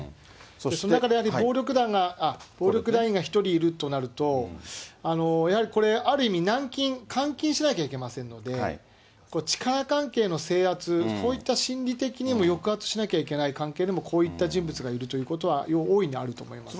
その中でやはり、暴力団員が１人いるとなると、やはりこれ、ある今、軟禁、監禁しなきゃいけませんので、これ、力関係の制圧、そういった心理的にも抑圧しなきゃいけない関係でもこういった人物がいるということは、大いにあると思いますね。